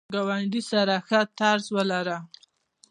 ګاونډي سره ښه طرز ولره